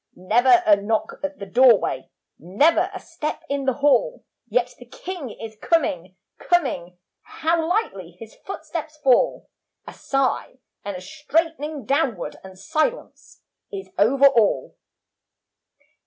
Never a knock at the doorway, Never a step in the hall, Yet the King is coming, coming, How lightly his footsteps fall. A sigh, and a straightening downward And silence is over all.